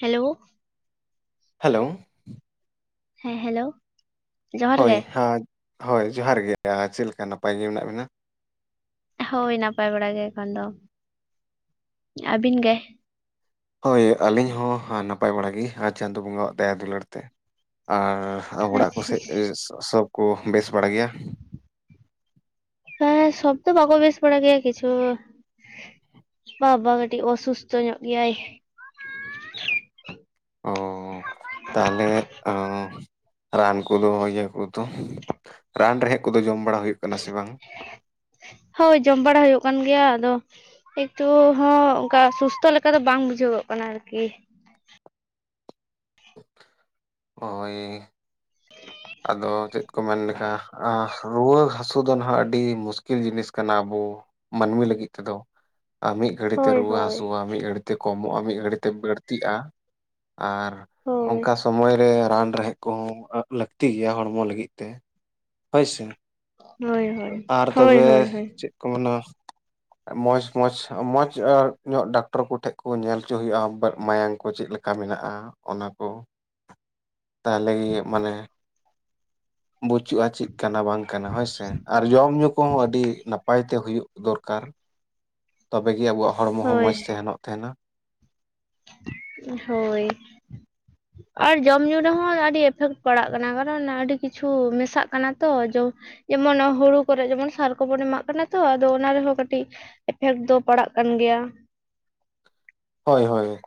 Hello hello ᱦᱮᱸ hello ᱡᱚᱦᱟᱨ ᱜᱮ ᱦᱳᱭ ᱦᱟᱸ ᱦᱳᱭ ᱡᱚᱦᱟᱨ ᱜᱮ ᱪᱮᱜ ᱞᱮᱠᱟ ᱱᱟᱯᱟᱭ ᱜᱮ ᱢᱮᱱᱟᱜ ᱵᱮᱱᱟ? ᱦᱳᱭ ᱱᱟᱯᱟᱭ ᱵᱟᱲᱟ ᱜᱮ ᱮᱠᱷᱚᱱ ᱫᱚ᱾ ᱟᱹᱵᱤᱱ ᱜᱮ? ᱦᱳᱭ ᱟᱹᱞᱤᱧ ᱦᱚᱸ ᱱᱟᱯᱟᱭ ᱵᱟᱲᱟ ᱜᱮ ᱟᱨ ᱪᱟᱸᱫᱚ ᱵᱚᱸᱜᱟᱣᱟᱜ ᱫᱟᱭᱟ ᱫᱩᱞᱟᱹᱲ ᱛᱮ ᱟᱨ ᱚᱲᱟᱜ ᱟᱪᱪᱷᱟ ᱠᱚᱥᱮᱜ ᱮ ᱥᱚᱵ ᱠᱚ ᱵᱮᱥ ᱵᱟᱲᱟ ᱜᱮᱭᱟ᱾ ᱦᱮᱸ ᱥᱚᱵ ᱫᱚ ᱵᱟᱠᱚ ᱵᱮᱥ ᱵᱟᱲᱟ ᱜᱮᱭᱟ ᱠᱤᱪᱷᱩ ᱵᱟᱵᱟ ᱠᱟᱹᱴᱤᱜ ᱚᱼᱥᱩᱥᱛᱷᱚ ᱧᱚᱜ ᱜᱮᱭᱟᱭ᱾ [inaudible] ᱛᱟᱦᱞᱮ ᱟᱻ ᱨᱟᱱ ᱠᱚᱫᱚ ᱤᱭᱟᱹ ᱠᱚᱫᱚ ᱨᱟᱱ ᱨᱮᱦᱮᱫ ᱠᱚᱫᱚ ᱡᱚᱢ ᱵᱟᱲᱟ ᱦᱩᱭᱩᱜ ᱠᱟᱱᱟ ᱥᱮ ᱵᱟᱝ? ᱦᱳᱭ ᱡᱚᱢ ᱵᱟᱲᱟ ᱦᱩᱭᱩᱜ ᱠᱟᱱ ᱜᱮᱭᱟ ᱟᱫᱚ ᱮᱠᱴᱩ ᱦᱚᱸ ᱚᱝᱠᱟ ᱥᱩᱥᱛᱚ ᱞᱮᱠᱟ ᱫᱚ ᱵᱟᱝ ᱵᱩᱡᱷᱟᱹᱣᱚᱜ ᱠᱟᱱᱟ ᱟᱨᱠᱤ᱾ ᱦᱳᱭ [inaudible] ᱟᱫᱚ ᱪᱮᱫ ᱠᱚ ᱢᱮᱱ ᱞᱮᱠᱟ ᱟᱸ ᱨᱩᱣᱟᱹ ᱦᱟᱹᱥᱩ ᱫᱚ ᱱᱟᱦᱟᱜ ᱟᱹᱰᱤ ᱢᱩᱥᱠᱤᱞ ᱡᱤᱱᱤᱥ ᱠᱟᱱᱟ ᱟᱵᱚ ᱢᱟᱹᱱᱢᱤ ᱞᱟᱹᱜᱤᱫ ᱛᱮᱫᱚ ᱟᱸ ᱢᱤᱜ ᱜᱷᱟᱹᱲᱤ ᱛᱮ ᱦᱳᱭ ᱨᱩᱣᱟᱹ ᱦᱳᱭ ᱦᱟᱹᱥᱩᱣᱟ ᱢᱤᱜ ᱜᱷᱟᱹᱲᱤ ᱛᱮ ᱠᱚᱢᱚᱜ-ᱟ ᱢᱤᱜ ᱜᱷᱟᱹᱲᱤᱡ ᱛᱮ ᱵᱟᱹᱲᱛᱤᱜᱼᱟ ᱟᱨ ᱦᱳᱭ ᱚᱝᱠᱟ ᱥᱚᱢᱚᱭ ᱨᱮ ᱨᱟᱱ ᱨᱮᱦᱮᱜ ᱠᱚᱦᱚᱸ ᱞᱟᱹᱠᱛᱤ ᱜᱮᱭᱟ ᱦᱚᱲᱢᱚ ᱞᱟᱹᱜᱤᱫ ᱛᱮ ᱦᱳᱭᱥᱮ᱾ ᱦᱳᱭ ᱦᱳᱭ ᱟᱨ ᱦᱳᱭ ᱛᱚᱵᱮ ᱦᱳᱭ ᱦᱳᱭ ᱪᱮᱜ ᱠᱚ ᱢᱮᱱᱟ ᱢᱚᱸᱡᱽ ᱢᱚᱸᱡᱽ ᱢᱚᱸᱡᱽ ᱧᱚᱜ ᱰᱟᱠᱴᱚᱨ ᱠᱚᱴᱷᱮᱱ ᱠᱚ ᱧᱮᱞ ᱦᱚᱪᱚ ᱦᱩᱭᱩᱜ-ᱟ ᱢᱟᱭᱟᱝ ᱠᱚ ᱪᱮᱫ ᱞᱮ ᱠᱟ ᱢᱮᱱᱟᱜ-ᱟ ᱚᱱᱟ ᱠᱚ ᱛᱟᱦᱚᱞᱮ ᱤᱭᱟᱹ ᱢᱟᱱᱮ ᱵᱟᱹᱪᱩᱜ-ᱟ ᱪᱮᱫ ᱠᱟᱱᱟ ᱵᱟᱝ ᱠᱟᱱᱟ ᱦᱳᱭᱥᱮ ᱟᱨ ᱡᱚᱢ ᱧᱩ ᱠᱚᱦᱚᱸ ᱟᱹᱰᱤ ᱱᱟᱯᱟᱭ ᱛᱮ ᱛᱮ ᱦᱩᱭᱩᱜ ᱫᱚᱨᱠᱟᱨ ᱛᱚᱵᱮᱜ ᱜᱮ ᱟᱵᱚᱣᱟᱜ ᱦᱚᱲᱢᱚ ᱦᱚᱸ ᱦᱳᱭ ᱢᱚᱸᱡᱽ ᱛᱟᱦᱮᱱᱚᱜ ᱛᱟᱦᱮᱱᱟ ᱦᱳᱭ ᱟᱨ ᱡᱚᱢ ᱧᱩ ᱨᱮᱦᱚᱸ ᱟᱹᱰᱤ ᱮᱯᱷᱮᱠᱴ ᱯᱟᱲᱟᱜ ᱠᱟᱱᱟ ᱠᱟᱨᱚᱱ ᱟᱹᱰᱤ ᱠᱤᱪᱷᱩ ᱢᱮᱥᱟᱜ ᱠᱟᱱᱟ ᱛᱚ ᱡ ᱡᱮᱢᱚᱱ ᱦᱩᱲᱩ ᱠᱚᱨ ᱡᱮᱢᱚᱱ ᱥᱟᱨ ᱠᱚᱵᱚᱱ ᱮᱢᱟᱜ ᱠᱟᱱᱟ ᱛᱚ ᱟᱫᱚ ᱚᱱᱟ ᱨᱮᱦᱚᱸ ᱠᱟᱹᱴᱤᱡ ᱮᱯᱷᱮᱠᱴ ᱫᱚ ᱯᱟᱲᱟᱜ ᱠᱟᱱ ᱜᱮᱭᱟ ᱦᱳᱭ ᱦᱳᱭ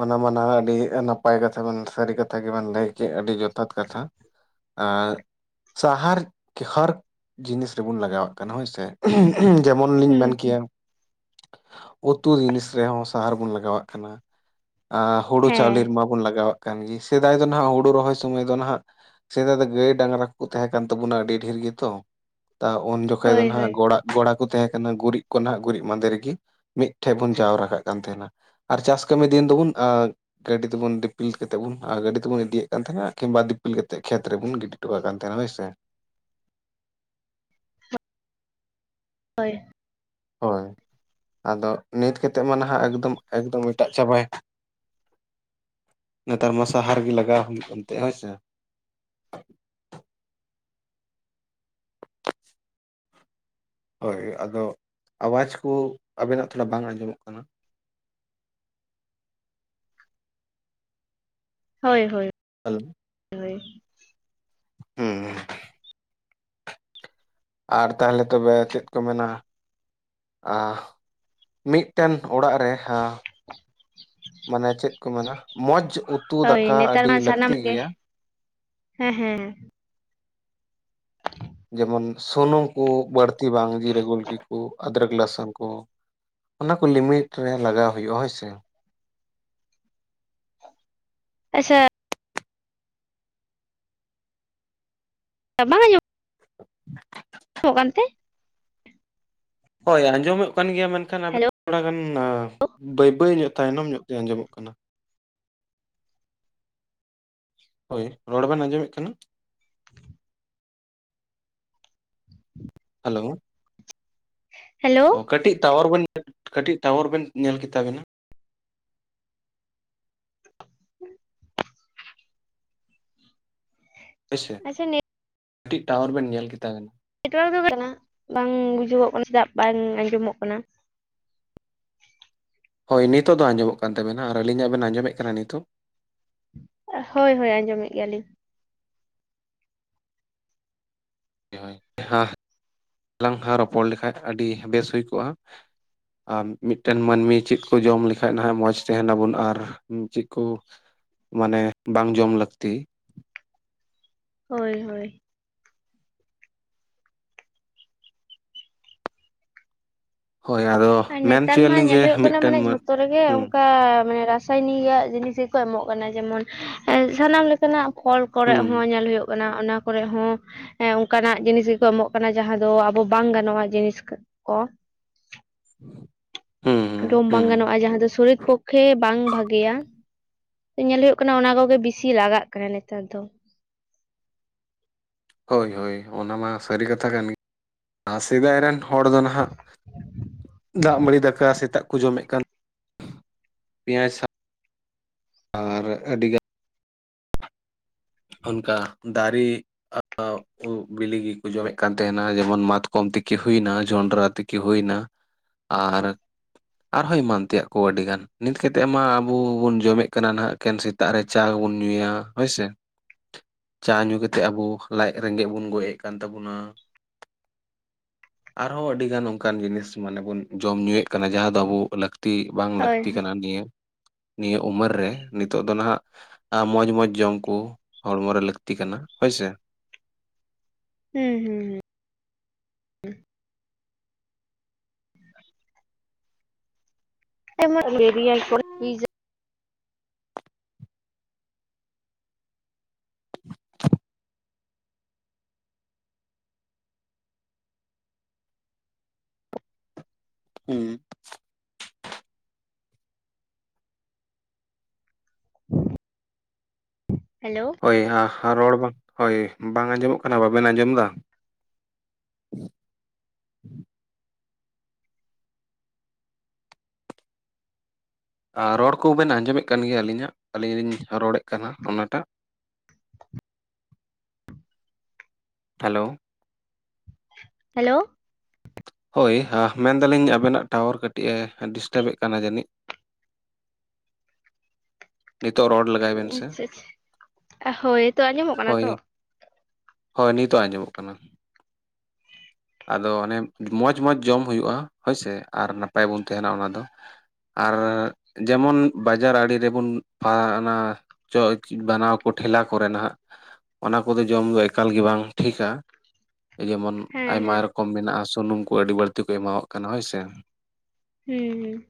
ᱚᱱᱟ ᱢᱟ ᱱᱟᱦᱟᱜ ᱟᱹᱰᱤ ᱱᱟᱯᱟᱭ ᱠᱟᱛᱷᱟ ᱥᱟᱹᱨᱤ ᱠᱟᱛᱷᱟ ᱜᱮᱵᱮᱱ ᱞᱟᱹᱭ ᱠᱮᱫ ᱟᱹᱰᱤ ᱡᱚᱛᱷᱟᱛ ᱠᱟᱛᱷᱟ ᱟᱨ ᱥᱟᱦᱟᱨᱠ ᱦᱚᱨᱠ ᱡᱤᱱᱤᱥ ᱨᱮᱵᱚᱱ ᱞᱟᱜᱟᱣᱟᱜ ᱠᱟᱱᱟ ᱦᱳᱭᱥᱮ ᱡᱮᱢᱚᱱ ᱞᱤᱧ ᱦᱩᱸ ᱦᱩᱸ ᱢᱮᱱᱠᱮᱭᱟ ᱩᱛᱩ ᱡᱤᱱᱤᱥ ᱨᱮᱦᱚᱸ ᱥᱟᱦᱟᱨ ᱵᱚᱱ ᱞᱟ ᱞᱟᱜᱟᱣᱟᱜ ᱠᱟᱱᱟ ᱟᱨ ᱦᱩᱲᱩ ᱦᱮᱸ ᱪᱟᱣᱞᱮ ᱨᱮᱢᱟᱵᱚᱱ ᱞᱟᱜᱟᱣᱟᱜ ᱠᱟᱱᱟ ᱠᱟᱱ ᱜᱮ ᱥᱮᱫᱟᱭ ᱫᱚ ᱱᱟᱦᱟᱜ ᱦᱩᱲᱩ ᱨᱚᱦᱚᱭ ᱥᱚᱢᱚᱭ ᱫᱚ ᱱᱟᱦᱟᱜ ᱥᱮᱫᱟᱭ ᱫᱚ ᱜᱟᱹᱭ ᱰᱟᱝᱨᱟ ᱠᱚᱠᱚ ᱛᱟᱦᱮᱸ ᱠᱟᱱ ᱛᱟᱵᱚᱱᱟ ᱟᱹᱰᱤ ᱰᱷᱮᱨ ᱜᱮᱛᱚ ᱩᱱ ᱡᱚᱠᱷᱟᱡ ᱫᱚ ᱦᱳᱭ ᱱᱟᱦᱟᱜ ᱦᱳᱭ ᱜᱚᱲᱟᱜ ᱜᱚᱲᱟ ᱠᱚ ᱛᱟᱦᱮᱸ ᱠᱟᱱᱟ ᱜᱩᱨᱤᱡ ᱠᱚ ᱱᱟᱦᱟᱜ ᱜᱩᱨᱤᱡ ᱢᱟᱸᱫᱮ ᱨᱮᱜᱮ ᱢᱤᱫᱴᱷᱮᱡ ᱵᱚᱱ ᱡᱟᱣ ᱨᱟᱠᱟᱵ ᱠᱟᱱ ᱛᱟᱦᱮᱸᱱᱟ ᱟᱨ ᱪᱟᱥ ᱠᱟᱹᱢᱤ ᱫᱤᱱ ᱫᱚᱵᱩᱱ ᱟᱠ ᱜᱟᱹᱰᱤ ᱛᱮᱵᱚᱱ ᱫᱤᱯᱤᱞ ᱠᱟᱛᱮᱮᱫ ᱵᱚᱱ ᱟᱨ ᱜᱟᱹᱰᱤ ᱛᱮᱵᱩᱱ ᱫᱤᱯᱤᱞ ᱠᱟᱛᱮᱫ ᱵᱩᱱ ᱟ ᱜᱟᱹᱰᱤ ᱛᱮᱵᱚᱱ ᱤᱫᱤᱭᱮᱫ ᱠᱟᱱ ᱛᱟᱦᱮᱸᱱ-ᱟ ᱠᱤᱵᱟ ᱫᱤᱯᱤᱞ ᱠᱟᱛᱮᱫ ᱠᱷᱮᱛ ᱨᱮᱵᱚᱱ ᱜᱤᱰᱤ ᱴ ᱠᱟᱱ ᱛᱟᱱᱛᱮ ᱱᱟᱚᱭ ᱥᱮ [unintelligible] ᱦᱳᱭ ᱦᱳᱭ ᱟᱫᱚ ᱱᱤᱛ ᱠᱟᱛᱮᱫ ᱢᱟ ᱱᱟᱦᱟᱜ ᱮᱠᱫᱚᱢ ᱮᱠᱫᱚᱢ ᱮᱴᱟᱜ ᱪᱟᱵᱟᱭ ᱱᱮᱛᱟᱨ ᱢᱟ ᱥᱟᱦᱟᱨ ᱜᱮ ᱞᱟᱜᱟᱣ ᱦᱩᱭᱩᱜ ᱠᱟᱱᱛᱮ ᱦᱳᱭ ᱥᱮ ᱦᱳᱭ ᱟᱫᱚ ᱟᱣᱟᱡᱽ ᱠᱚ ᱟᱵᱮᱱᱟᱜ ᱛᱷᱚᱲᱟ ᱵᱟᱝ ᱟᱸᱡᱚᱢᱚᱜ ᱠᱟᱱᱟ ᱦᱳᱭ ᱦᱳᱭ ᱦᱮᱞᱳ ᱦᱚᱭ ᱦᱮᱸ [unintelligible] ᱟᱨ ᱛᱟᱦᱚᱞᱮ ᱛᱚᱵᱮ ᱪᱮᱫ ᱠᱚ ᱢᱮᱱᱟ ᱟ ᱢᱤᱫᱴᱟᱝ ᱚᱲᱟᱜ ᱨᱮ ᱦᱟ ᱢᱟᱱᱮ ᱪᱮᱫ ᱠᱚ ᱢᱮᱱᱟ ᱢᱚᱡᱽ ᱩᱛᱩ ᱦᱳᱭ ᱫᱟᱠᱟ ᱱᱮᱛᱟᱨ ᱟᱹᱰᱤ ᱢᱟ ᱞᱟᱹᱠᱛᱤ ᱥᱟᱱᱟᱢᱟᱜ ᱜᱮ ᱜᱮᱭᱟ ᱦᱮᱸ ᱦᱮᱸ ᱡᱮᱢᱚᱱ ᱥᱩᱱᱩᱢ ᱠᱚ ᱵᱟᱹᱲᱛᱤ ᱵᱟᱝ ᱡᱤᱨᱟᱹ ᱜᱩᱞᱠᱤ ᱠᱚ ᱟᱫᱨᱚᱠ ᱞᱥᱚᱱ ᱠᱚ ᱚᱱᱟ ᱠᱚ ᱞᱤᱢᱤᱴ ᱨᱮ ᱞᱟᱜᱟᱣ ᱦᱩᱭᱩᱜᱼᱟ ᱦᱳᱭ ᱥᱮ ᱟᱪᱪᱷᱟ ᱵᱟᱝ ᱟᱡᱚᱢᱚᱜ ᱚᱜ ᱠᱟᱱᱛᱮ ᱦᱳᱭ ᱟᱸᱡᱚᱢᱚᱜ ᱠᱟᱱ ᱜᱮᱭᱟ ᱢᱮᱱᱠᱷᱟᱱ ᱟᱵᱮᱱ ᱦᱮᱞᱳ ᱛᱷᱚᱲᱟ ᱜᱟᱱ ᱵᱟᱹᱭ ᱵᱟᱹᱭ ᱧᱚᱜ ᱛᱟᱭᱱᱚᱢ ᱧᱚᱜ ᱛᱮ ᱟᱸᱡᱚᱢᱚᱜ ᱠᱟᱱᱟ ᱦᱳᱭ ᱨᱚᱲ ᱵᱮᱱ ᱟᱸᱡᱚᱢᱮᱫ ᱠᱟᱱᱟ ᱦᱮᱞᱳ ᱦᱮᱞᱳ ᱚ ᱠᱟᱹᱴᱤᱡ ᱴᱟᱣᱟᱨ ᱵᱮᱱ ᱠᱟᱴᱤᱡ ᱴᱟᱣᱟᱨ ᱵᱮᱱ ᱧᱮᱞ ᱠᱮᱛᱟ ᱵᱮᱱᱟ ᱦᱳᱭᱥᱮ ᱟᱪᱪᱷᱟ ᱠᱟᱹᱴᱤᱡ ᱴᱟᱣᱟᱨ ᱵᱮᱱ ᱧᱮᱞ ᱠᱮᱛᱟ ᱵᱮ ᱠᱟᱱᱟ ᱱᱮᱴᱣᱟᱨᱠ ᱫᱚ ᱠᱟᱱᱟ ᱵᱟᱝ ᱵᱩᱡᱩᱜᱚᱜ ᱠᱟᱱᱟ ᱪᱮᱫᱟᱜ ᱫᱟᱜ ᱵᱟᱝ ᱟᱸᱡᱚᱢᱚᱜ ᱠᱟᱱᱟ ᱦᱳᱭ ᱱᱤᱛᱚᱜ ᱫᱚ ᱟᱸᱡᱚᱢᱚᱜ ᱠᱟᱱ ᱛᱟᱵᱱᱟ ᱟᱨ ᱟᱹᱞᱤᱧᱟᱜ ᱵᱮᱱ ᱟᱸᱡᱚᱢᱮᱫ ᱠᱟᱱᱟ ᱱᱤᱛᱚᱜ ᱦᱳᱭ ᱦᱳᱭ ᱟᱸᱡᱚᱢᱮᱫ ᱜᱮᱭᱟᱞᱤᱧ ᱦᱳᱭ ᱞᱟᱝ ᱦᱟ [unintelligible] ᱨᱚᱯᱚᱲ ᱞᱮᱠᱷᱟ ᱟᱹᱰᱤ ᱵᱮᱥ ᱦᱩᱭ ᱠᱚᱜᱼᱟ ᱟᱨ ᱢᱤᱫᱴᱮᱱ ᱢᱟᱹᱱᱢᱤ ᱪᱮᱫ ᱠᱚ ᱡᱚᱢ ᱞᱮᱠᱟᱱᱡ ᱱᱟᱦᱟᱜ ᱢᱚᱡᱽ ᱛᱟᱦᱮᱱᱟᱵᱚᱱ ᱟᱨ ᱪᱮᱫ ᱠᱚ ᱢᱟᱱᱮ ᱵᱟᱝ ᱡᱚᱢ ᱞᱟᱹᱠᱛᱤ ᱦᱳᱭ ᱦᱳᱭ ᱦᱚᱭ ᱟᱫᱚ-ᱼ ᱟᱨ ᱱᱮᱛᱟᱨ ᱢᱟ ᱧᱮᱞ ᱦᱩᱭᱩᱜ ᱠᱟᱱᱟ ᱢᱟᱱᱮ ᱡᱷᱚᱛᱚ ᱨᱮᱜᱮ ᱦᱩᱸ ᱚᱱᱠᱟ ᱢᱟᱱᱮ ᱨᱟᱥᱟᱭᱱᱤᱠᱟᱜ ᱡᱤᱱᱤᱥ ᱜᱮᱠᱚ ᱮᱢᱚᱜ ᱠᱟᱱᱟ᱾ ᱡᱮᱢᱚᱱ ᱥᱟᱱᱟᱢ ᱞᱮᱠᱟᱱᱟᱜ ᱠᱚᱞ ᱠᱚᱨᱮ ᱦᱩᱸ ᱦᱚᱸ ᱧᱮᱞ ᱦᱩᱭᱩᱜ ᱠᱟᱱᱟ ᱚᱱᱟ᱾ ᱠᱚᱨᱮ ᱦᱚᱸ ᱚᱱᱠᱟᱱᱟᱜ ᱡᱤᱱᱤᱥ ᱜᱮᱠᱚ ᱮᱢᱚᱜ ᱠᱟᱱᱟ᱾ ᱡᱟᱦᱟᱸ ᱫᱚ ᱟᱵᱚ ᱵᱟᱝ ᱜᱟᱱᱚᱜᱼᱟ ᱡᱤᱱᱤᱥ ᱠᱚ᱾ ᱦᱩᱸ᱾ ᱦᱩᱸ ᱡᱚᱢ ᱵᱟᱝ ᱦᱩᱸ ᱜᱟᱱᱚᱜᱼᱟ᱾ ᱡᱟᱦᱟᱸ ᱫᱚ ᱥᱚᱨᱤᱛ ᱯᱚᱠᱷᱮ ᱵᱟᱝ ᱵᱷᱟ. ᱜᱤᱭᱟ ᱧᱮᱞ ᱦᱩᱭᱩᱜ ᱠᱟᱱᱟ ᱚᱱᱟ ᱠᱚᱜᱮ ᱵᱤᱥᱤ ᱞᱟᱜᱟᱜ ᱠᱟᱱᱟ ᱱᱮᱛᱟᱨ ᱫᱚ᱾ ᱦᱚᱭ ᱦᱚᱭ ᱚᱱᱟ ᱢᱟ ᱥᱟᱹᱨᱤ ᱠᱟᱛᱷᱟ ᱠᱟᱱ ᱜᱮ ᱟᱨ ᱥᱮᱫᱟᱭᱨᱤᱱ ᱦᱚᱲ ᱫᱚ ᱱᱟᱦᱟᱜ ᱫᱟᱜ ᱢᱟᱹᱲᱤ ᱫᱟᱠᱟ ᱥᱮᱛᱟᱜ ᱠᱚ ᱡᱚᱢᱮᱫ ᱠᱟᱱ ᱯᱮᱸᱭᱟᱡᱽ ᱥᱟᱜ ᱟᱨ ᱟᱹᱰᱤ ᱜᱟᱱ ᱚᱱᱠᱟ ᱫᱟᱨᱮ ᱥᱟᱠᱟᱢ᱾ ᱵᱤᱞᱤ ᱜᱮᱠᱚ ᱡᱚᱢᱮᱫ ᱠᱟᱱ ᱛᱟᱦᱮᱱᱟ᱾ ᱡᱮᱢᱚᱱ ᱢᱟᱛᱠᱚᱢ ᱛᱤᱠᱤ ᱦᱩᱭᱱᱟ ᱡᱚᱱᱰᱨᱟ ᱛᱤᱠᱤ ᱦᱩᱭᱱᱟ᱾ ᱟᱨ ᱟᱨᱦᱚᱸ ᱮᱢᱟᱱ ᱛᱮᱭᱟᱜ ᱠᱚ ᱟᱹᱰᱤ ᱜᱟᱱ ᱱᱤᱛ ᱠᱟᱛᱮᱫ ᱢᱟ ᱟᱵᱚ ᱵᱚᱱ ᱡᱚᱢᱮᱫ ᱠᱟᱱᱟ ᱱᱟᱦᱟᱜ ᱮᱠᱷᱮᱱ ᱥᱮᱛᱟᱜ ᱨᱮ ᱪᱟ ᱜᱮᱵᱚᱱ ᱧᱩᱭᱟ ᱦᱚᱭᱥᱮ᱾ ᱪᱟ ᱧᱩ ᱠᱟᱛᱮᱫ ᱟᱵᱚ ᱞᱟᱡ ᱨᱮᱸᱜᱮᱡ ᱵᱚᱱ ᱜᱚᱡ ᱮᱫ ᱠᱟᱱ ᱛᱟᱵᱚᱱᱟ᱾ ᱟᱨᱦᱚᱸ ᱟᱹᱰᱤ ᱜᱟᱱ ᱚᱱᱠᱟᱱ ᱡᱤᱱᱤᱥ ᱢᱟᱱᱮ ᱵᱚᱱ ᱡᱚᱢ ᱧᱩᱭᱮᱫ ᱠᱟᱱᱟ ᱡᱟᱦᱟᱸ ᱫᱚ ᱟᱵᱚ ᱞᱟᱹᱠᱛᱤ ᱵᱟᱝ ᱦᱳᱭ ᱞᱟᱹᱠᱛᱤ ᱠᱟᱱᱟ ᱱᱤᱭᱟᱹ ᱱᱤᱭᱟᱹ ᱩᱢᱟ. ᱨ ᱨᱮ ᱱᱤᱛᱚᱜ ᱫᱚ ᱱᱟᱦᱟᱜ ᱢᱚᱡᱽ ᱢᱚᱡᱽ ᱡᱚᱢ ᱠᱚ ᱦᱚᱲᱢᱚ ᱨᱮ ᱞᱟᱹᱠᱛᱤ ᱠᱟᱱᱟ ᱦᱚᱭᱥᱮ᱾ ᱦᱩᱸ ᱦᱩᱸ ᱦᱩᱸ᱾ [inaudible] ᱦᱩᱸ᱾ ᱦᱮᱞᱚ᱾ ᱦᱚᱭ ᱦᱟ ᱦᱟ ᱨᱚᱲ ᱵᱟᱝ ᱦᱚᱭ ᱵᱟᱝ ᱟᱸᱡᱚᱢᱚᱜ ᱠᱟᱱᱟ ᱵᱟ. ᱵᱤᱱ ᱟᱸᱡᱚᱢ ᱮᱫᱟ? ᱟᱨ ᱨᱚᱲ ᱠᱚᱵᱤᱱ ᱟᱸᱡᱚᱢᱮᱫ ᱠᱟᱱ ᱜᱮᱭᱟ ᱟᱹᱞᱤᱧᱟᱜ ᱟᱹᱞᱤᱧ ᱞᱤᱧ ᱨᱚᱲᱮᱫ ᱠᱟᱱᱟ ᱚᱱᱟᱴᱟᱜ? [inaudible] ᱦᱮᱞᱚ᱾ ᱦᱮᱞᱚ᱾ ᱦᱚᱭ ᱦᱟᱸ ᱢᱮᱱᱫᱟᱞᱤᱧ ᱟ. ᱵᱤᱱᱟᱜ ᱴᱟᱣᱟᱨ ᱠᱟᱹᱴᱤᱡᱼ ᱮ ᱰᱤᱥᱴᱟ. ᱵᱮ ᱠᱟᱱᱟ ᱡᱟᱹᱱᱤᱡ᱾ ᱱᱤᱛᱚᱜ ᱨᱚᱲ ᱞᱮᱜᱟᱭ ᱵᱮᱱ ᱥᱮ [unintelligible] ᱦᱚᱭ ᱱᱤᱛᱚᱜ ᱟᱸᱡᱚᱢᱚᱜ ᱠᱟᱱᱟ᱾ ᱟᱫᱚ ᱚᱱᱮ ᱢᱚᱸᱡᱽ-ᱢᱚᱸᱡᱽ ᱡᱚᱢ ᱦᱩᱭᱩᱜᱼᱟ ᱦᱚᱭᱥᱮ ᱟᱨ ᱱᱟᱯᱟᱭ ᱵᱚᱱ ᱛᱟᱦᱮᱱᱟ ᱚᱱᱟ ᱫᱚ᱾ ᱟᱨ ᱡᱮᱢᱚᱱ ᱵᱟᱡᱟᱨ ᱟᱲᱮ ᱨᱮᱵᱚᱱ ᱯᱷᱟ ᱱᱟ ᱪᱚ ᱵᱟᱱᱟᱣ ᱠᱚ ᱴᱷᱮᱞᱟ ᱠᱚᱨᱮ ᱱᱟᱜ ᱚᱱᱟ ᱠᱚᱫᱚ ᱡᱚᱢ ᱫᱚ ᱮᱠᱟᱞ ᱜᱮ ᱵᱟᱝ ᱴᱷᱤᱠᱟ᱾ ᱡᱮᱢᱚᱱ ᱦᱮᱸ ᱟᱭᱢᱟ ᱦᱮᱸ ᱨᱚᱠᱚᱢ ᱢᱮᱱᱟᱜᱼᱟ ᱥᱩᱱᱩᱢ ᱠᱚ ᱟᱹᱰᱤ ᱵᱟᱹᱲᱛᱤ ᱠᱚ ᱮᱢᱟᱣᱟᱜ ᱠᱟᱱᱟ ᱦᱚᱭᱥᱮ᱾ ᱦᱩᱸ᱾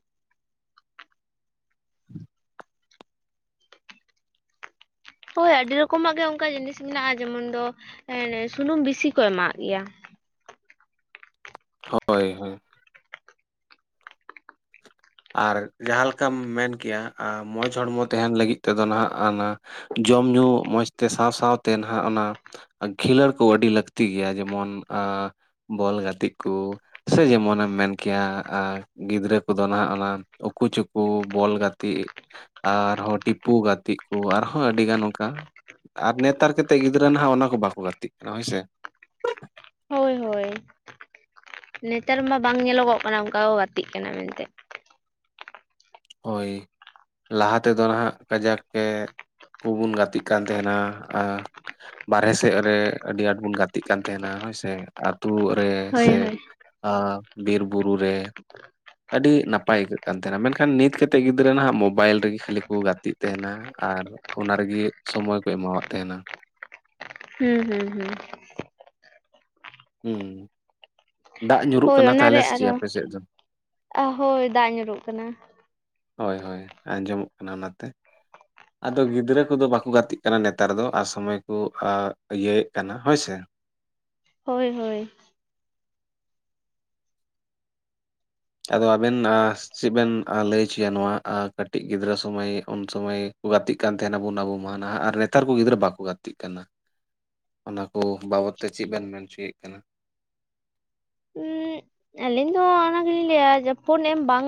ᱦᱚᱭ ᱟᱹᱰᱤ ᱨᱚᱠᱚᱢᱟᱜ ᱜᱮ ᱚᱱᱠᱟ ᱡᱤᱱᱤᱥ ᱢᱮᱱᱟᱜᱼᱟ ᱡᱮᱢᱚᱱ ᱫᱚ ᱮ ᱥᱩᱱᱩᱢ ᱵᱤᱥᱤ ᱠᱚ ᱮᱢᱟᱜᱟᱜ ᱜᱮᱭᱟ᱾ ᱦᱚᱭ-ᱦᱚᱭ᱾ ᱟᱨ ᱡᱟᱦᱟᱸ ᱞᱮᱠᱟᱢ ᱢᱮᱱ ᱠᱮᱭᱟ ᱟ ᱢᱚᱡᱽ ᱦᱚᱲᱢᱚ ᱛᱟᱦᱮᱱ ᱞᱟᱹᱜᱤᱫ ᱛᱮᱫᱚ ᱱᱟᱦᱟᱜ ᱟᱱᱟ ᱡᱚᱢ ᱧᱩ ᱢᱚᱡ ᱛᱮ ᱥᱟᱶ ᱥᱟᱶᱛᱮ ᱱᱟᱦᱟᱜ ᱚᱱᱟ ᱠᱷᱤᱞᱟᱹᱲ ᱠᱚ ᱟᱹᱰᱤ ᱞᱟᱹᱠᱛᱤ ᱜᱮᱭᱟ ᱡᱮᱢᱚᱱ -ᱟ᱾ ᱵᱚᱞ ᱜᱟᱛᱮ ᱠᱚ ᱥᱮ ᱡᱮᱢᱚᱱᱮᱢ ᱢᱮᱱ ᱠᱮᱭᱟ ᱜᱤᱫᱽᱨᱟᱹ ᱠᱚᱫᱚ ᱱᱟᱦᱟᱜ ᱩᱠᱩ ᱪᱩᱠᱩ ᱵᱚᱞ ᱜᱟᱛᱮ ᱟᱨᱦᱚᱸ ᱴᱤᱯᱩ ᱜᱟᱛᱮ ᱠᱚ ᱟᱨᱦᱚᱸ ᱟᱹᱰᱤᱜᱟᱱ ᱚᱱᱠᱟ ᱟᱨ ᱱᱮᱛᱟᱨ ᱠᱟᱛᱮᱫ ᱜᱤᱫᱽᱨᱟᱹ ᱱᱟᱦᱟᱜ ᱚᱱᱟ ᱠᱚ ᱵᱟᱠᱚ ᱜᱟᱛᱮᱜ ᱠᱟᱱᱟ ᱦᱚᱭᱥᱮ᱾ ᱦᱚᱭ-ᱦᱚᱭ᱾ ᱱᱮᱛᱟᱨ ᱢᱟ ᱵᱟᱝ ᱧᱮᱞᱚᱜᱚᱜ ᱠᱟᱱᱟ ᱚᱱᱠᱟ ᱠᱚ ᱜᱟᱛᱮᱜ ᱠᱟᱱᱟ ᱢᱮᱱᱛᱮ ᱦᱳᱭ ᱞᱟᱦᱟ ᱛᱮᱫᱚ ᱱᱟᱦᱟᱜ ᱠᱟᱡᱟᱠ ᱜᱮ ᱠᱚᱵᱚᱱ ᱜᱟᱛᱮᱜ ᱠᱟᱱ ᱛᱟᱦᱮᱱᱟ ᱟᱨ ᱵᱟᱨᱦᱮ ᱥᱮᱫ ᱨᱮ ᱟᱹᱰᱤ ᱟᱸᱴ ᱵᱚᱱ ᱜᱟᱛᱮᱜ ᱠᱟᱱ ᱛᱟᱦᱮᱱᱟ ᱦᱳᱭᱥᱮ ᱟᱛᱩ ᱨᱮ ᱦᱳᱭ ᱥᱮ ᱦᱳᱭ ᱟ ᱵᱤᱨ ᱵᱩᱨᱩ ᱨᱮ ᱟᱹᱰᱤ ᱱᱟᱯᱟᱭ ᱟᱹᱭᱠᱟᱹᱜ ᱠᱟᱱ ᱛᱟᱦᱮᱱᱟ ᱢᱮᱱᱠᱷ ᱮᱠᱷᱟᱱ ᱱᱤᱛ ᱠᱟᱛᱮᱫ ᱜᱤᱫᱽᱨᱟᱹ ᱱᱟᱦᱟᱜ ᱢᱳᱵᱟᱭᱤᱞ ᱨᱮᱜᱮ ᱠᱷᱟᱹᱞᱤ ᱠᱚ ᱜᱟᱛᱮᱜ ᱛᱟᱦᱮᱱᱟ ᱟᱨ ᱚᱱᱟᱨᱮᱜᱤ ᱥᱚᱢᱚᱭ ᱠᱚ ᱮᱢᱟᱣᱟᱜ ᱛᱟᱦᱮᱱᱟ ᱦᱩᱸ ᱦᱩᱸ ᱦᱩᱸ ᱦᱩᱸ ᱫᱟᱜ ᱧᱩᱨᱩᱜ ᱦᱳᱭ ᱠᱟᱱᱟ ᱛᱟᱦᱚᱞᱮ ᱚᱱᱟᱨᱮ ᱥᱮᱪᱮᱫ ᱟᱨᱦᱚᱸ ᱟᱯᱮᱥᱮᱫ ᱫᱚ ᱦᱳᱭ ᱫᱟᱜ ᱧᱩᱨᱩᱜ ᱠᱟᱱᱟ ᱦᱳᱭ ᱦᱳᱭ ᱟᱸᱡᱚᱢᱚᱜ ᱠᱟᱱᱟ ᱚᱱᱟᱛᱮ ᱟᱫᱚ ᱜᱤᱫᱽᱨᱟᱹ ᱠᱚᱫᱚ ᱵᱟᱠᱚ ᱜᱟᱛᱮᱜ ᱠᱟᱱᱟ ᱱᱮᱛᱟᱨ ᱫᱚ ᱟᱨ ᱥᱚᱢᱚᱭ ᱠᱚ ᱟ ᱤᱭᱟᱹᱭᱮᱫ ᱠᱟᱱᱟ ᱦᱳᱭᱥᱮ ᱦᱳᱭ ᱦᱳᱭ ᱟᱫᱚ ᱟᱵᱮᱱ ᱟᱥ ᱪᱤᱵᱮᱱ ᱞᱟᱹᱭᱪᱚᱭᱟ ᱱᱚᱣᱟ ᱠᱟᱹᱴᱤᱡ ᱜᱤᱫᱽᱨᱟᱹ ᱥᱩᱢᱟᱹᱭ ᱩᱱ ᱥᱩᱢᱟᱹᱭ ᱠᱚ ᱜᱟᱛᱮᱜ ᱠᱟᱱ ᱛᱟᱦᱮᱱᱟ ᱵᱚᱱ ᱟᱵᱚ ᱢᱟ ᱱᱟᱦᱟᱜ ᱟᱨ ᱱᱮᱛᱟᱨ ᱠᱚ ᱜᱤᱫᱽᱨᱟᱹ ᱵᱟᱠᱚ ᱜᱟᱛᱮᱜ ᱠᱟᱱᱟ ᱚᱱᱟ ᱠᱚ ᱵᱟᱵᱚᱛ ᱛᱮ ᱪᱮᱫ ᱵᱮᱱ ᱢᱮᱱ ᱚᱪᱚᱭᱮᱫ ᱠᱟᱱᱟ ᱦᱩᱸᱻ ᱟᱹᱞᱤᱧ ᱫᱚ ᱚᱱᱟ [unintelligible] [unintelligible] ᱞᱟᱹᱭᱟ ᱡᱮ ᱯᱷᱳᱱ ᱮᱢ ᱵᱟᱝ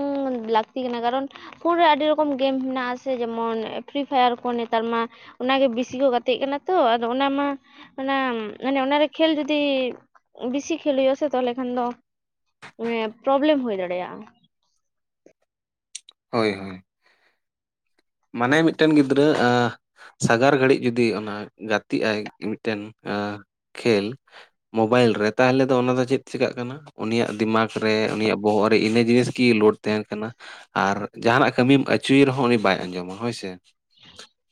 ᱞᱟᱹᱠᱛᱤ ᱠᱟᱱᱟ ᱠᱟᱨᱚᱱ ᱯᱷᱳᱱ ᱨᱮ ᱟᱹᱰᱤ ᱨᱚᱠᱚᱢ ᱜᱮᱢ ᱢᱮᱱᱟᱜ ᱟᱥᱮ ᱡᱮᱢᱚᱱ ᱯᱷᱨᱤ ᱯᱷᱟᱭᱟᱨ ᱠᱚ ᱱᱮᱛᱟᱨ ᱢᱟ ᱚᱱᱟᱜᱮ ᱵᱤᱥᱤ ᱠᱚ ᱜᱟᱛᱮᱜ ᱠᱟᱱᱟ ᱛᱚ ᱟᱫᱚ ᱚᱱᱟ ᱢᱟ ᱚᱱᱟ ᱢᱟᱱᱮ ᱚᱱᱟᱨᱮ ᱠᱷᱮᱞ ᱡᱩᱫᱤ ᱵᱤᱥᱤ ᱠᱷᱮᱞ ᱦᱩᱭᱩᱜ ᱟᱥᱮ ᱛᱟᱦᱚᱞᱮ ᱠᱷᱟᱱ ᱫᱚ ᱯᱨᱚᱵᱮᱞᱮᱢ ᱦᱩᱭ ᱫᱟᱲᱮᱭᱟᱜᱼᱟ ᱾ ᱦᱳᱭ ᱦᱳᱭ ᱾ ᱢᱟᱱᱮ ᱢᱤᱫᱴᱟᱹᱱ ᱜᱤᱫᱽᱨᱟᱹ ᱟ ᱥᱟᱜᱟᱲ ᱜᱷᱟᱹᱲᱤᱡ ᱡᱩᱫᱤ ᱚᱱᱟ ᱜᱟᱛᱮᱜ ᱟᱭ ᱢᱤᱫᱴᱮᱱ ᱠᱷᱮᱞ ᱢᱳᱵᱟᱭᱤᱞ ᱨᱮ ᱛᱟᱦᱚᱞᱮ ᱫᱚ ᱚᱱᱟ ᱫᱚ ᱪᱮᱫ ᱪᱮᱠᱟᱜ ᱠᱟᱱᱟ? ᱩᱱᱤᱭᱟᱜ ᱫᱤᱢᱟᱠ ᱨᱮ ᱩᱱᱤᱭᱟᱜ ᱵᱚᱦᱚᱜ ᱨᱮ ᱤᱱᱟᱹ ᱡᱤᱱᱤᱥ ᱠᱤ ᱞᱳᱰ ᱛᱟᱦᱮᱱ ᱠᱟᱱᱟ? ᱟᱨ ᱡᱟᱦᱟᱱᱟᱜ ᱠᱟᱹᱢᱤᱢ ᱟᱹᱪᱩᱭᱮ ᱨᱮᱦᱚᱸ ᱩᱱᱤ ᱵᱟᱭ ᱟᱸᱡᱚᱢᱟ ᱦᱳᱭᱥᱮ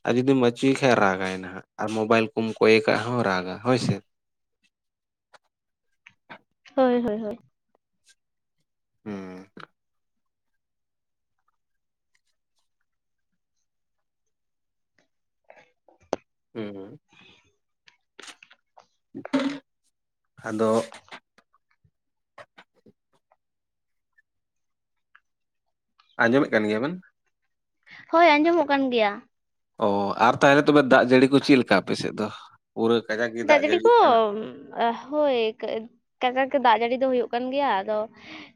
ᱟᱨ ᱡᱩᱫᱤᱢ ᱟᱹᱪᱩᱭᱮ ᱠᱷᱟᱡ ᱨᱟᱜᱟᱭ ᱱᱟᱦᱟᱜ ᱟᱨ ᱢᱳᱵᱟᱭᱤᱞ ᱠᱚᱢ ᱠᱚᱭ ᱠᱟᱜ ᱦᱚᱸ ᱨᱟᱜᱟ ᱦᱳᱭᱥᱮ ᱦᱳᱭ ᱦᱳᱭ ᱦᱳᱭ ᱾ ᱦᱩᱸ ᱦᱩᱸ [unintelligible] ᱟᱫᱚ ᱟᱸᱡᱚᱢᱮᱜ ᱠᱟᱱ ᱜᱮᱭᱟ ᱵᱤᱱ ᱾ ᱦᱳᱭ ᱟᱸᱡᱚᱢᱚᱜ ᱠᱟᱱ ᱜᱮᱭᱟ ᱾ ᱚ ᱟᱨ ᱛᱟᱦᱚᱞᱮ ᱛᱚᱵᱮ ᱫᱟᱜ ᱡᱟᱹᱲᱤ ᱠᱩ ᱪᱮᱫ ᱞᱮᱠᱟ ᱟᱯᱮᱥᱮᱫ ᱫᱚ? ᱯᱩᱨᱟᱹ ᱠᱟᱡᱟᱠ ᱜᱮ ᱫᱟᱜ ᱡᱟᱹᱲᱤ ᱠᱚ ᱡᱟᱹᱲᱤᱜ ᱠᱟᱱᱟ ᱾ ᱦᱳᱭ ᱠᱟ ᱠᱟᱡᱟᱜ ᱜᱮ ᱫᱟᱜ ᱡᱟᱹᱲᱤ ᱫᱚ ᱦᱩᱭᱩᱜ ᱠᱟᱱ ᱜᱮᱭᱟ ᱟᱫᱚ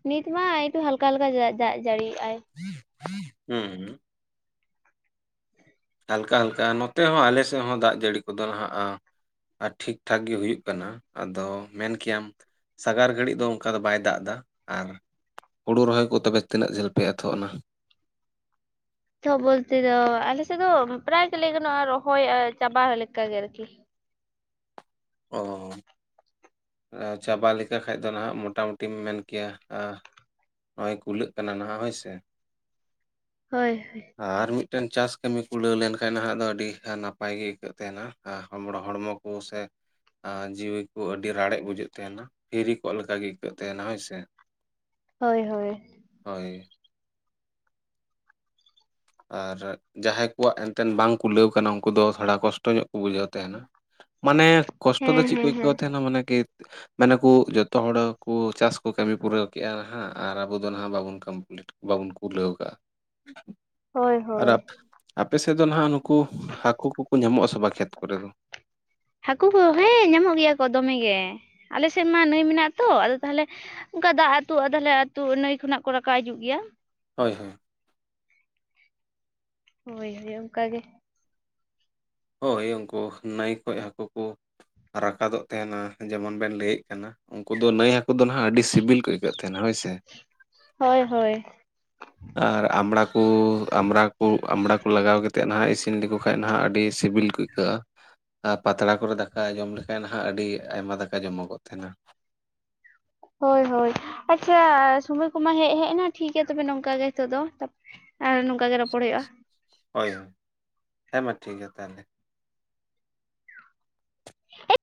ᱱᱤᱛ ᱢᱟ ᱮᱭᱛᱚ ᱦᱟᱞᱠᱟ ᱦᱟᱞᱠᱟ ᱫᱟᱜ ᱡᱟᱹᱲᱤᱭᱮᱜ-ᱟᱭ ᱾ [inaudible] ᱦᱩᱸ ᱦᱩᱸ ᱦᱟᱞᱠᱟ ᱦᱟᱞᱠᱟ ᱱᱚᱛᱮ ᱦᱚᱸ ᱟᱞᱮ ᱥᱮᱫ ᱦᱚᱸ ᱫᱟᱜ ᱡᱟᱹᱲᱤ ᱠᱚᱫᱚ ᱦᱟᱸᱜ [unintelligible] ᱟᱨ ᱴᱷᱤᱠ ᱴᱷᱟᱠ ᱜᱮ ᱦᱩᱭᱩᱜ ᱠᱟᱱᱟ ᱟᱫᱚ ᱢᱮᱱ ᱠᱮᱭᱟᱢ ᱥᱟᱜᱟᱨ ᱜᱷᱟᱹᱲᱤᱡ ᱫᱚ ᱚᱱᱠᱟ ᱫᱚ ᱵᱟᱭ ᱫᱟᱜ ᱮᱫᱟ ᱟᱨ ᱦᱩᱲᱩ ᱨᱚᱦᱚᱭ ᱠᱚ ᱛᱚᱵᱮ ᱛᱤᱱᱟᱹᱜ ᱡᱷᱟᱹᱞ ᱯᱮ ᱮᱛᱚᱦᱚᱵ ᱮᱱᱟ? ᱛᱚ ᱵᱚᱞᱛᱮ ᱫᱚ ᱟᱞᱮ ᱥᱮᱫ ᱫᱚ ᱯᱨᱟᱭ ᱜᱮ ᱞᱟᱹᱭ ᱜᱟᱱᱚᱜᱼᱟ ᱨᱚᱦᱚᱭ ᱪᱟᱵᱟ ᱞᱮᱠᱟ ᱜᱮ ᱟᱨᱠᱤ ᱾ ᱚᱻ ᱪᱟᱵᱟ ᱞᱮᱠᱟ ᱠᱷᱟᱡ ᱫᱚ ᱱᱟᱦᱟᱜ ᱢᱳᱴᱟ ᱢᱩᱴᱤᱢ ᱢᱮᱱ ᱠᱮᱭᱟ ᱱᱚᱜᱼᱚᱭ ᱠᱩᱞᱟᱹᱜ ᱠᱟᱱᱟ ᱱᱟᱦᱟᱜ ᱦᱳᱭ ᱥᱮ ᱦᱳᱭ ᱦᱳᱭ ᱾ ᱟᱨ ᱢᱤᱫᱴᱮᱱ ᱪᱟᱥ ᱠᱟᱹᱢᱤ ᱠᱩᱞᱟᱹᱣ ᱞᱮᱱᱠᱷᱟᱱ ᱱᱟᱦᱟᱜ ᱫᱚ ᱟᱹᱰᱤ ᱜᱟᱱ ᱱᱟᱯᱟᱭ ᱜᱮ ᱟᱹᱭᱠᱟᱹᱜ ᱛᱟᱦᱮᱱᱟ [unintelligible] ᱦᱚᱲᱢᱚ ᱾ ᱠᱚ ᱥᱮ ᱡᱤᱣᱤ ᱠᱩ ᱟᱹᱰᱤ ᱼᱼ ᱟᱹᱰᱤ ᱨᱟᱲᱮᱡ ᱵᱩᱡᱷᱟᱹᱜ ᱛᱟᱦᱮᱱᱟ ᱯᱷᱤᱨᱤ ᱠᱚᱜ ᱞᱮᱠᱟ ᱜᱮ ᱟᱹᱭᱠᱟᱹᱜ ᱛᱟᱦᱮᱱᱟ ᱦᱳᱭ ᱥᱮ ᱾ ᱦᱳᱭ ᱦᱳᱭ ᱾ ᱦᱳᱭ ᱾ ᱟᱨ ᱡᱟᱦᱟᱸᱭ ᱠᱚᱣᱟᱜ ᱮᱱᱛᱮᱱ ᱵᱟᱝ ᱠᱩᱞᱟᱹᱣ ᱠᱟᱱᱟ ᱩᱱᱠᱩ ᱫᱚ ᱛᱷᱚᱲᱟ ᱠᱚᱥᱴᱚ ᱧᱚᱜ ᱠᱚ ᱵᱩᱡᱷᱟᱹᱣ ᱛᱟᱦᱮᱱᱟ ᱾ ᱢᱟᱱᱮ ᱠᱚᱥᱴᱚ ᱫᱚ ᱦᱮᱸ ᱪᱮᱫ ᱠᱚ ᱦᱮᱸ ᱟᱹᱭᱠᱟᱹᱣ ᱦᱮᱸ ᱛᱟᱦᱮᱸᱱᱟ ᱢᱟᱱᱮ ᱠᱤ ᱢᱟᱱᱮ ᱠᱩ ᱡᱚᱛᱚ ᱦᱚᱲ ᱠᱩ ᱪᱟᱥ ᱠᱩ ᱠᱟᱹᱢᱤ ᱯᱩᱨᱟᱹᱣ ᱠᱮᱜᱼᱟ ᱱᱟᱜ ᱟᱨ ᱟᱵᱚ ᱫᱚ ᱱᱟᱜ ᱵᱟᱵᱚᱱ ᱠᱚᱢᱯᱞᱤᱴ ᱵᱟᱵᱚᱱ ᱠᱩᱞᱟᱹᱣ ᱠᱟᱜᱼᱟ ᱾ ᱦᱳᱭ ᱟᱨ ᱦᱳᱭ ᱟᱯᱮ ᱥᱮᱫ ᱫᱚ ᱱᱟᱦᱟᱜ ᱱᱩᱠᱩ ᱦᱟᱹᱠᱩ ᱠᱚᱠᱚ ᱧᱟᱢᱚᱜᱼᱟ ᱥᱮ ᱵᱟᱝ ᱠᱷᱮᱛ ᱠᱚᱨᱮ ᱫᱚ? ᱦᱟᱹᱠᱩ ᱠᱚ ᱦᱮᱸ ᱧᱟᱢᱚᱜ ᱜᱮᱭᱟ ᱠᱚ ᱫᱚᱢᱮ ᱜᱮ ᱾ ᱟᱞᱮ ᱥᱮᱫ ᱢᱟ ᱱᱟᱹᱭ ᱢᱮᱱᱟᱜ-ᱟ ᱛᱚ ᱟᱫᱚ ᱛᱟᱦᱚᱞᱮ ᱚᱱᱠᱟ ᱫᱟᱜ ᱟᱹᱛᱩᱜ-ᱟ ᱛᱟᱦᱞᱮ ᱟᱹᱛᱩᱜ ᱱᱟᱹᱭ ᱠᱷᱚᱱᱟᱜ ᱠᱚ ᱨᱟᱠᱟᱵ ᱦᱤᱡᱩᱜ ᱜᱮᱭᱟ ᱾ ᱦᱳᱭ ᱦᱳᱭ ᱾ ᱦᱳᱭ ᱦᱳᱭ ᱚᱝᱠᱟ ᱜᱮ ᱾ ᱦᱳᱭ ᱩᱱᱠᱩ ᱱᱟᱹᱭ ᱠᱷᱚᱡ ᱦᱟᱹᱠᱩ ᱠᱩ ᱨᱟᱠᱟᱫᱚᱜ ᱛᱟᱦᱮᱱᱟ ᱡᱮᱢᱚᱱ ᱵᱮᱱ ᱞᱟᱹᱭᱮᱫ ᱠᱟᱱᱟ ᱩᱱᱠᱩ ᱫᱚ ᱱᱟᱹᱭ ᱦᱟᱹᱠᱩ [unintelligible] ᱫᱚ ᱱᱟᱦᱟᱜ ᱟᱹᱰᱤ ᱥᱤᱵᱤᱞ ᱠᱚ ᱟᱹᱭᱠᱟᱹᱜ ᱛᱟᱦᱮᱱᱟ ᱦᱳᱭ ᱥᱮ ᱾ ᱦᱳᱭ ᱦᱳᱭ ᱾ ᱟᱨ ᱟᱢᱵᱽᱲᱟ ᱠᱩ ᱟᱢᱵᱽᱲᱟ ᱟᱢᱵᱽᱲᱟ ᱠᱩ ᱞᱟᱜᱟᱣ ᱠᱟᱛᱮᱜ ᱱᱟᱦᱟᱜ ᱤᱥᱤᱱ ᱞᱮᱠᱚ ᱠᱷᱟᱱ ᱱᱟᱦᱟᱜ ᱟᱹᱰᱤ ᱥᱤᱵᱤᱞ ᱠᱩ ᱟᱹᱭᱠᱟᱹᱜᱼᱟ ᱾ ᱟᱨ ᱯᱟᱛᱲᱟ ᱠᱚᱨᱮ ᱫᱟᱠᱟ ᱡᱚᱢ ᱞᱮᱠᱷᱟᱱ ᱦᱟᱸᱜ ᱟᱹᱰᱤ ᱟᱭᱢᱟ ᱫᱟᱠᱟ ᱡᱚᱢᱚᱜᱚᱜ ᱛᱟᱦᱮᱱᱟ ᱾ ᱦᱳᱭ ᱦᱳᱭ ᱟᱪᱪᱷᱟ ᱥᱚᱢᱚᱭ ᱠᱚᱢᱟ ᱦᱮᱡ ᱦᱮᱡ ᱮᱱᱟ ᱴᱷᱤᱠ ᱜᱮᱭᱟ ᱛᱚᱵᱮ ᱱᱚᱝᱠᱟ ᱜᱮ ᱱᱤᱛᱚᱜ ᱫᱚ ᱾ ᱟᱨᱚ ᱱᱚᱝᱠᱟ ᱜᱮ ᱨᱚᱯᱚᱲ ᱦᱳᱭᱳᱜᱼᱟ ᱾ ᱦᱳᱭ ᱦᱳᱭ ᱦᱮᱸ ᱢᱟ ᱴᱷᱤᱠ ᱜᱮᱭᱟ ᱛᱟᱦᱚᱞᱮ ᱾ [unintelligible]